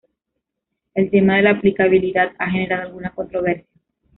El tema de la aplicabilidad ha generado alguna controversia.